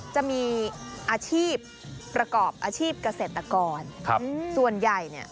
จะมีอาชีพประกอบอาชีพเกษตรกรครับส่วนใหญ่เนี่ย